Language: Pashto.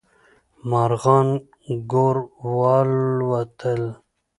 مارغان ګور والوتل.